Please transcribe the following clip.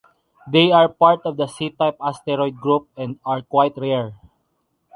They are part of the C-type asteroid group and are quite rare.